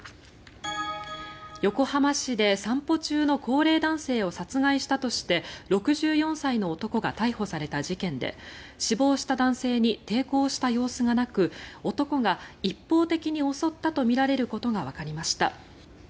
横浜市で散歩中の高齢男性を殺害したとして６４歳の男が逮捕された事件で死亡した男性に抵抗した様子がなく男が一方的に襲ったとみられることがわかりました。